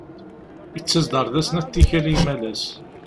Ittas-d ɣer da snat n tikal deg yimalas.